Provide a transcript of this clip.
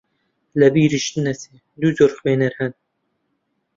لە بیریشت نەچێت دوو جۆر خوێنەر هەن